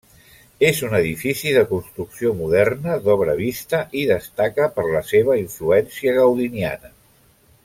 És un edifici de construcció moderna, d'obra vista i destaca per la seva influència gaudiniana.